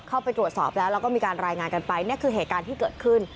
เข้าไปตรวจสอบแล้วแล้วก็มีการรายงานกันไปนี่คือเหตุการณ์ที่เกิดขึ้น